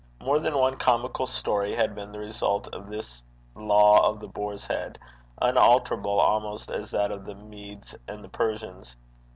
More than one comical story had been the result of this law of The Boar's Head, unalterable almost as that of the Medes and Persians.